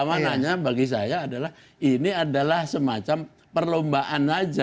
maknanya bagi saya adalah ini adalah semacam perlombaan saja